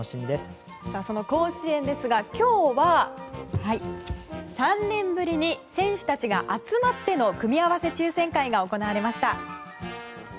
その甲子園ですが今日は３年ぶりに選手たちが集まっての組み合わせ抽選会が行われました。